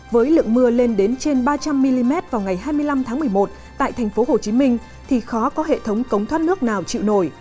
với lượng mưa lên đến trên ba trăm linh mm vào ngày hai mươi năm tháng một mươi một tại tp hcm thì khó có hệ thống cống thoát nước nào chịu nổi